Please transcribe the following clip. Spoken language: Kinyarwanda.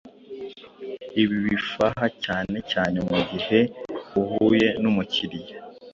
Ibi bifaha cyane cyane mugihe uhuye numukiriya